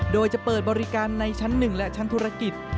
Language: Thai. โดยจะเปิดบริการในชั้น๑และชั้นธุรกิจ